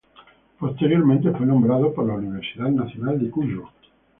Posteriormente fue nombrado por la Universidad Nacional de Cuyo.